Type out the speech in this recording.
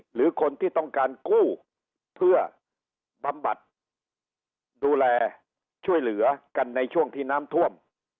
หรือคนที่ต้องการกู้เพื่อบำบัดดูแลช่วยเหลือกันในช่วงที่น้ำท่วม